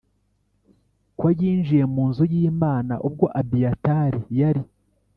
ko yinjiye mu nzu y Imana ubwo Abiyatari yari